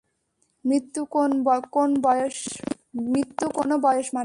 মৃত্যু কোন বয়স মানে না!